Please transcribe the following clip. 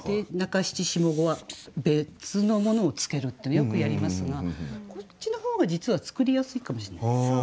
中七下五は別のものをつけるっていうのよくやりますがこっちの方が実は作りやすいかもしれない。